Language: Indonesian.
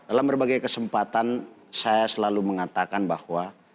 dalam berbagai kesempatan saya selalu mengatakan bahwa